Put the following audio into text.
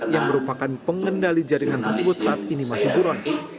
yang merupakan pengendali jaringan tersebut saat ini masih buron